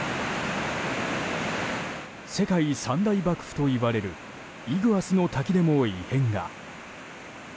世界三大瀑布といわれるイグアスの滝でも異変が。